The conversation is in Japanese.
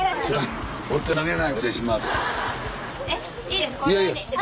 いいです。